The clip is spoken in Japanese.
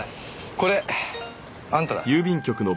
これあんただ。